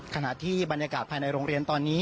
ขณะที่บรรยากาศภายในโรงเรียนตอนนี้